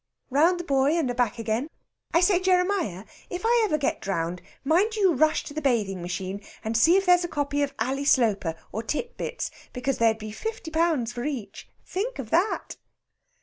"Round the buoy and aback again. I say, Jeremiah, if ever I get drowned, mind you rush to the bathing machine and see if there's a copy of 'Ally Sloper' or 'Tit Bits'. Because there'd be fifty pounds for each. Think of that!"